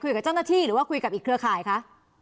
กับเจ้าหน้าที่หรือว่าคุยกับอีกเครือข่ายคะ